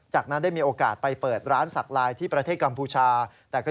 จากนั้นได้มีโอกาสไปเปิดร้านสักลายที่ประเทศกัมพูชา